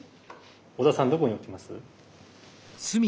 小田さんどこに置きます？